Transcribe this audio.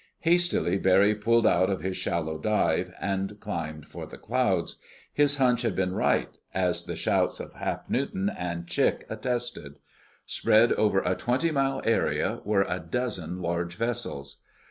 Hastily Barry pulled out of his shallow dive, and climbed for the clouds. His hunch had been right, as the shouts of Hap Newton and Chick attested. Spread out over a twenty mile area were a dozen large vessels.